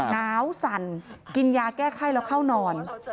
หนาวสั่นกินยาแก้ไข้แล้วเข้านอน